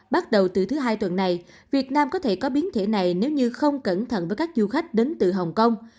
bắt đầu từ thứ hai tuần này việt nam có thể có biến thể này nếu như không cẩn thận với các du khách đến từ hồng kông